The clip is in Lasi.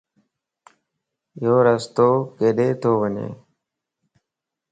يورستو ڪيڏي تو وڃ؟